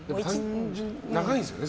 長いんですね。